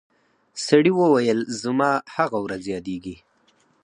سړي وویل زما هغه ورځ یادیږي